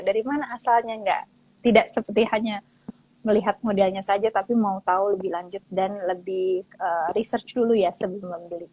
dari mana asalnya tidak seperti hanya melihat modelnya saja tapi mau tahu lebih lanjut dan lebih research dulu ya sebelum membeli